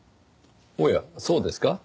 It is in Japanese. おやそうですか？